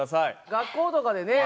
学校とかでね